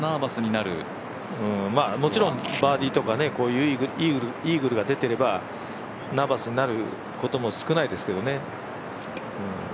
もちろんバーディーとかイーグルが出ていればナーバスになることも少ないですけどね。